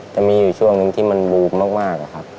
จะมีช่วงนึงที่มันรูปมาก